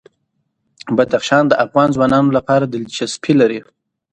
بدخشان د افغان ځوانانو لپاره دلچسپي لري.